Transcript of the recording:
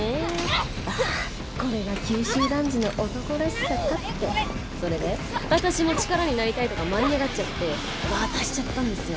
「“ああこれが九州男児の男らしさか”って」「それで私も力になりたいとか舞い上がっちゃって渡しちゃったんですよ